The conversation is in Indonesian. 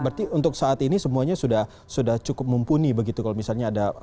berarti untuk saat ini semuanya sudah cukup mumpuni begitu kalau misalnya ada